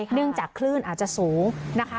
เนื่องจากคลื่นอาจจะสูงนะคะ